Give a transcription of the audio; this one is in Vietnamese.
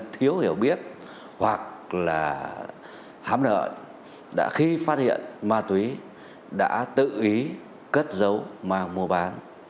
thiếu hiểu biết hoặc là hám nợ đã khi phát hiện ma túy đã tự ý cất dấu mang mua bán